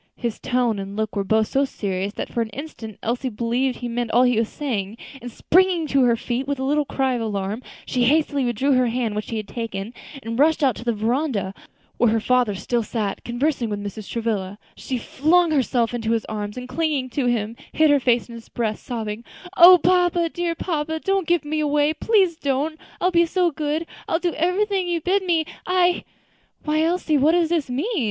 His tone and look were both so serious that for an instant Elsie believed he meant all that he was saying, and springing to her feet with a little cry of alarm, she hastily withdrew her hand which he had taken, and rushing out to the veranda, where her father still sat conversing with Mrs. Travilla, she flung herself into his arms, and clinging to him, hid her face on his breast, sobbing, "O papa, dear papa! don't give me away; please don't I will be so good I will do everything you bid me I " "Why, Elsie, what does all this mean!"